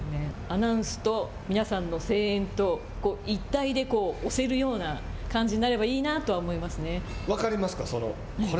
アナウンスと皆さんの声援と一体で押せるような感じになれば分かりますか。